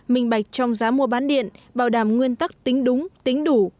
minh bạch trong giá mua bán điện bảo đảm nguyên tắc tính đúng tính đủ